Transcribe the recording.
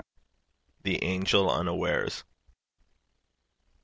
THE ANGEL UNAWARES.